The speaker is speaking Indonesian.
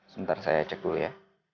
sebentar saya cek dulu ya